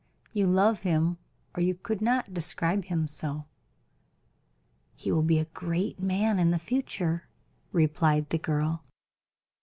You love him or you could not describe him so." "He will be a great man in the future," replied the girl.